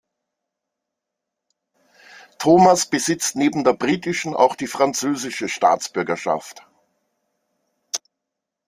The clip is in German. Thomas besitzt neben der britischen auch die französische Staatsbürgerschaft.